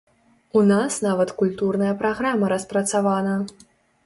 У нас нават культурная праграма распрацавана.